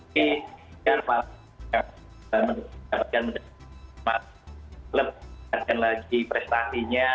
kita dapatkan mendapatkan lagi prestasinya